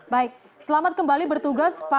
baik selamat kembali bertugas pak